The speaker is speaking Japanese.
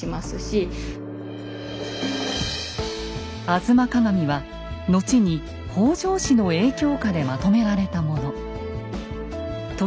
「吾妻鏡」は後に北条氏の影響下でまとめられたもの。